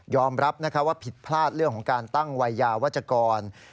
รับว่าผิดพลาดเรื่องของการตั้งวัยยาวัชกร